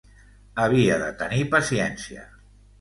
Havia de tenir paciència.